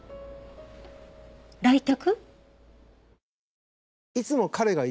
来客？